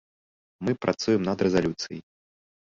Мы працуем над рэзалюцый.